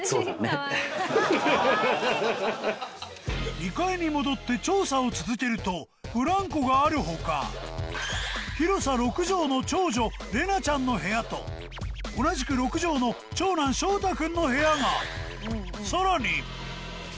２階に戻って調査を続けるとブランコがあるほか広さ６帖の長女礼捺ちゃんの部屋と同じく６帖の長男翔太くんの部屋がさらにえ？